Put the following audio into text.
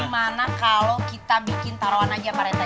gimana kalau kita bikin taruhan aja pak rt